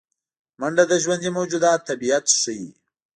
منډه د ژوندي موجوداتو طبیعت ښيي